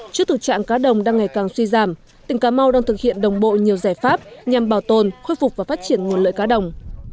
trước thực trạng cá đồng đang ngày càng suy giảm tỉnh cà mau đang thực hiện đồng bộ nhiều giải pháp nhằm bảo tồn khôi phục và phát triển nguồn lợi cá đồng